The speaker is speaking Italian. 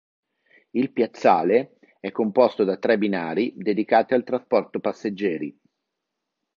Il piazzale è composto da tre binari dedicati al trasporto passeggeri.